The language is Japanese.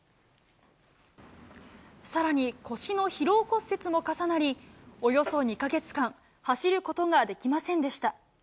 さらに、腰の疲労骨折も重なり、およそ２か月間、走ることができませんでした。